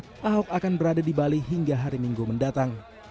apakah ahok akan berada di bali hingga hari minggu mendatang